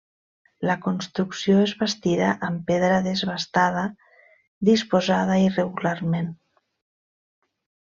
La construcció és bastida amb pedra desbastada disposada irregularment.